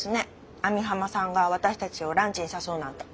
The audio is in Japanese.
網浜さんが私たちをランチに誘うなんて。